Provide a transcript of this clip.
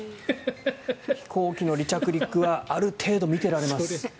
飛行機の離着陸はある程度見てられます。